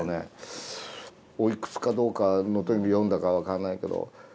おいくつかどうかの時詠んだか分かんないけど。